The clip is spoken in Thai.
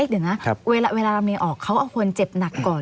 เดี๋ยวนะเวลาเรามีออกเขาเอาคนเจ็บหนักก่อน